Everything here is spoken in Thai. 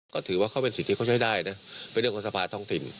ก็ถือว่าเขาเป็นสิทธิเขาใช้ได้นะเป็นเรื่องของสภาท้องถิ่น